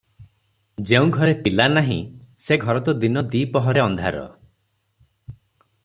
ଯେଉଁ ଘରେ ପିଲା ନାହିଁ, ସେ ଘର ତ ଦିନ ଦିପ ହରରେ ଅନ୍ଧାର ।